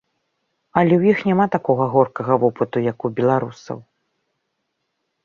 Але ў іх няма такога горкага вопыту, як у беларусаў.